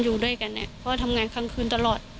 จน๘โมงเช้าวันนี้ตำรวจโทรมาแจ้งว่าพบเป็นศพเสียชีวิตแล้ว